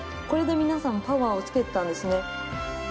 これで皆さんパワーをつけてたんですね